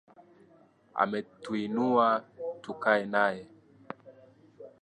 Ametuinua tukae naye